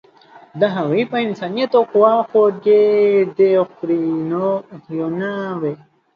د هغې په انسانیت او خواخوږۍ دې افرینونه وي.